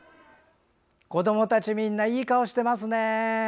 子どもたち、みんないい顔していますね。